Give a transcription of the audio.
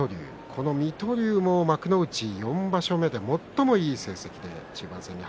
この水戸龍も幕内４場所目で最もいい成績。